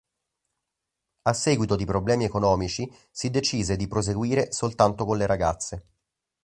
A seguito di problemi economici si decise di proseguire soltanto con le ragazze.